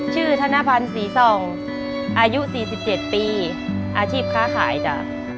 ธนพันธ์ศรีส่องอายุ๔๗ปีอาชีพค้าขายจ้ะ